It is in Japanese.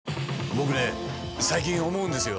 僕ね最近思うんですよ。